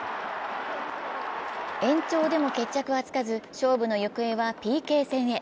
延長でも決着はつかず勝負の行方はＰＫ戦へ。